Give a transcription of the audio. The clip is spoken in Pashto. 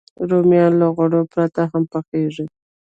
رومیان له غوړو پرته هم پخېږي